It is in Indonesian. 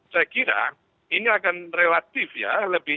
saya kira ini akan relatif ya lebih